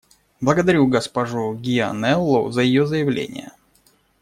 Благодарю госпожу Гианнеллу за ее заявление.